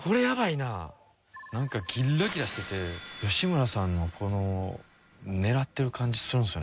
なんかギラギラしてて吉村さんのこの狙ってる感じするんですよね。